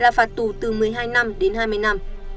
là phạt tù từ một mươi hai năm đến hai mươi năm